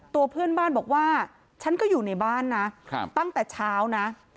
ตัวเพื่อนบ้านบอกว่าฉันก็อยู่ในบ้านนะตั้งแต่เช้านะ